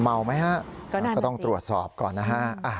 เมาไหมฮะก็ต้องตรวจสอบก่อนนะฮะ